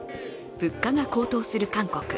物価が高騰する韓国。